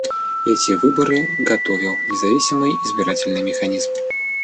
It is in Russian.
Эти выборы готовил независимый избирательный механизм.